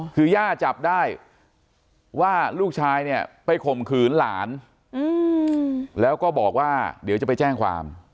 คือย่าจับได้ว่าลูกชายเนี่ยไปข่มขืนหลานแล้วก็บอกว่าเดี๋ยวจะไปแจ้งความ